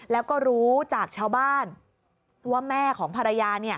แล้วก็รู้จากชาวบ้านว่าแม่ของภรรยา